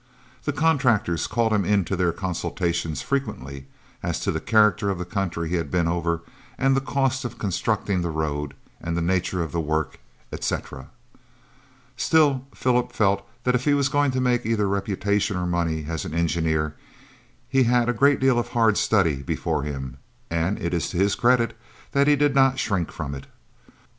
The contractors called him into their consultations frequently, as to the character of the country he had been over, and the cost of constructing the road, the nature of the work, etc. Still Philip felt that if he was going to make either reputation or money as an engineer, he had a great deal of hard study before him, and it is to his credit that he did not shrink from it.